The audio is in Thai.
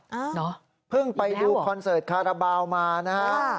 น่ะยินแล้วเหรอเพิ่งไปดูคอนเสิร์ตคาราบาลมานะครับ